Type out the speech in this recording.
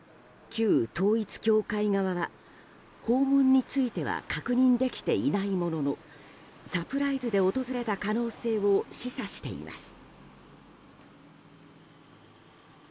旧統一教会側は訪問については確認できていないもののサプライズで訪れた可能性を示唆しています。